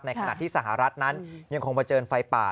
ในขณะที่สหรัฐนั้นยังคงมาเจอไฟป่า